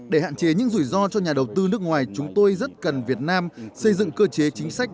để hạn chế những rủi ro cho nhà đầu tư nước ngoài chúng tôi rất cần việt nam xây dựng cơ chế chính sách